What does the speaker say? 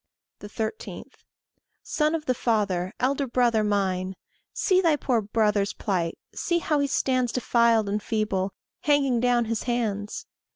13. Son of the Father, elder brother mine, See thy poor brother's plight; See how he stands Defiled and feeble, hanging down his hands!